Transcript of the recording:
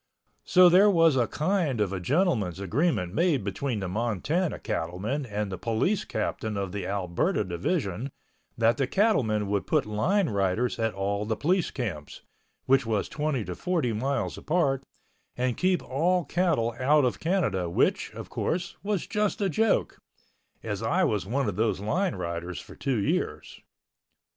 So there was a kind of a gentleman's agreement made between the Montana cattlemen and the police captain of the Alberta Division that the cattlemen would put line riders at all the police camps, which was twenty to forty miles apart, and keep all cattle out of Canada which, of course, was just a joke, as I was one of those line riders for two years.